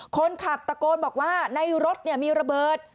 คนขับตะโกนบอกว่าในรถมีระเบิด